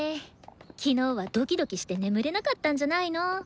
昨日はドキドキして眠れなかったんじゃないの？